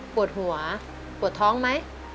ปวดหัวปวดท้องไหม